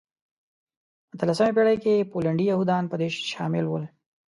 اتلمسې پېړۍ کې پولنډي یهودان په دې شامل وو.